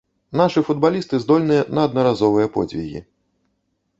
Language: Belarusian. Нашы футбалісты здольныя на аднаразовыя подзвігі.